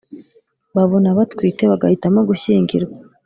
babona batwite bagahitamo gushyingirwa